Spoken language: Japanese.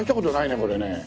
これね。